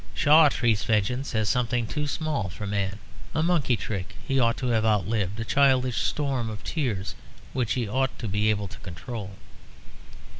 Shaw treats vengeance as something too small for man a monkey trick he ought to have outlived, a childish storm of tears which he ought to be able to control.